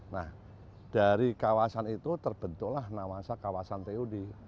nah dari kawasan itu terbentuklah nawasa kawasan tod